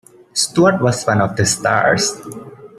Stuart was one of the stars.